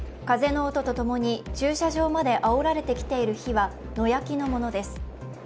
風の音と共に駐車場まであおられてきている火は野焼きのものです。